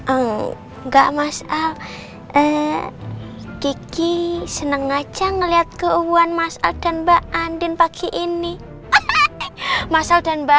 enggak mas al kiki seneng aja ngeliat keubuhan mas al dan mbak andin pagi ini mas al dan mbak